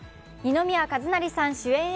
二宮和也さん主演